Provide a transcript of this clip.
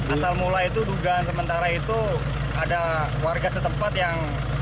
asal mula itu dugaan sementara itu ada warga setempat yang